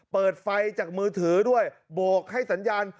เปิดไฟจากมือถือด้วยโบกให้สัญญาณ